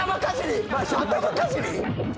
頭かじり！？